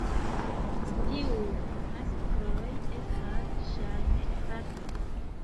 Tiuj maskloj estas ŝajne fratoj.